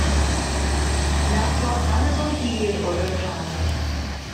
Anadlodd anadl hir o ryddhad.